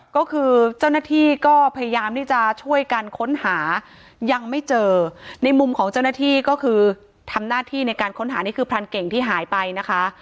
ก็คือเจ้าหน้าที่ก็พยายามที่จะช่วยกันค้นหายังไม่เจอในมุมของเจ้าหน้าที่ก็คือทำหน้าที่ในการค้นหานี่คือพรานเก่งที่หายไปนะคะ